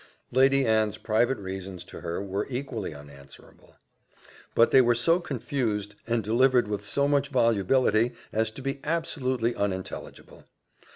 Lady Anne's private reasons to her were equally unanswerable; but they were so confused, and delivered with so much volubility, as to be absolutely unintelligible.